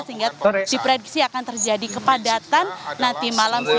sehingga diprediksi akan terjadi kepadatan nanti malam